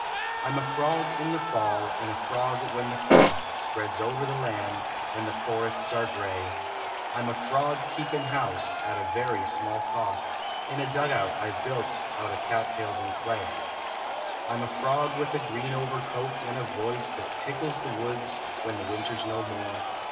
I m a frog in the fall and a frog when the frost Spreads over the land, and the forests are gray. I m a frog keepin house at a very small cost In a dug out I ve built out o cat tails and clay. I m a frog with a green overcoat and a voice That tickles the woods, when the winter s no more.